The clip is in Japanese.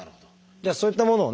じゃあそういったものをね